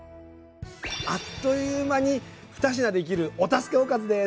あっという間に２品できるお助けおかずです。